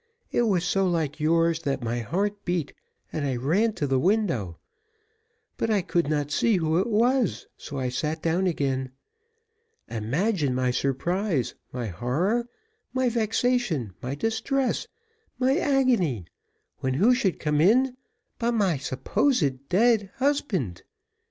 It was so like yours, that my heart beat, and I ran to the window, but I could not see who it was, so I sat down again. Imagine my surprise, my horror, my vexation, my distress, my agony, when who should come in but my supposed dead husband!